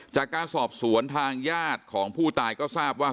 จากการสอบสวนทางญาติของผู้ตายก็ทราบว่า